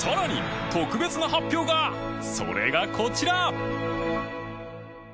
それがこちら！